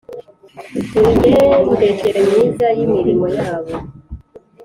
imigendekere myiza yimirimo yabo